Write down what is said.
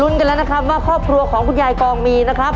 ลุ้นกันแล้วนะครับว่าครอบครัวของคุณยายกองมี